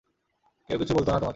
কেউ কিছু বলত না তোমাকে।